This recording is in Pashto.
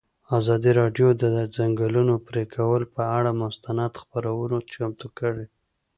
ازادي راډیو د د ځنګلونو پرېکول پر اړه مستند خپرونه چمتو کړې.